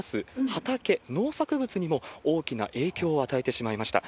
畑、農作物にも大きな影響を与えてしまいました。